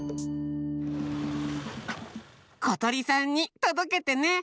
ことりさんにとどけてね！